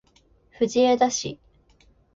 藤枝市